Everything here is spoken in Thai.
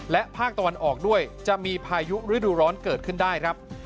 และภาคตะวันออกด้วยจะมีพายุฤดูร้อนเกิดขึ้นได้ครับ